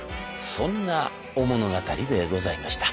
そんなお物語でございました。